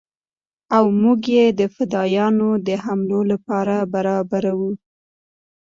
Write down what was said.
او موږ يې د فدايانو د حملو لپاره برابرو.